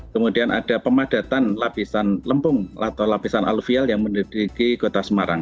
kemudian ada pemadatan lapisan lempung atau lapisan aluvial yang meneliti kota semarang